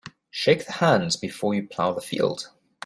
Shake the hand before you plough the field.